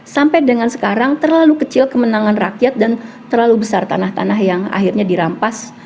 sampai dengan sekarang terlalu kecil kemenangan rakyat dan terlalu besar tanah tanah yang akhirnya dirampas